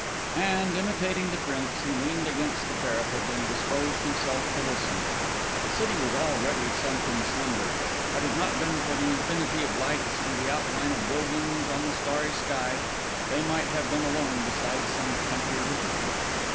And, imitating the Prince, he leaned against the parapet, and disposed himself to listen. The city was already sunk in slumber; had it not been for the infinity of lights and the outline of buildings on the starry sky, they might have been alone beside some country river.